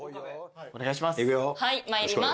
お願いします。